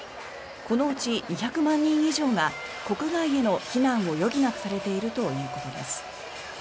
このうち２００万人以上が国外への避難を余儀なくされているということです。